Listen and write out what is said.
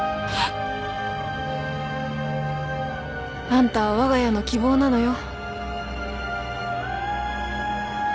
あんたはわが家の希望なのよ。